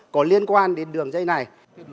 có liên quan đến đường dây này